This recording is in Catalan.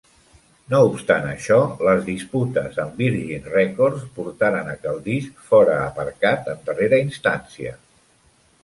No obstant això, les disputes amb Virgin Records portaren a que el disc fora aparcat en darrera instància.